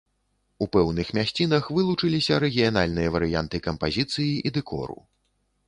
У пэўных мясцінах вылучыліся рэгіянальныя варыянты кампазіцыі і дэкору.